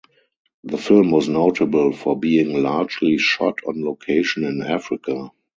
The film was notable for being largely shot on location in Africa.